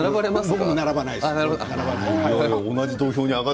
僕は並ばないです。